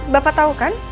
bapak tau kan